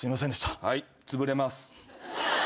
はいつぶれます。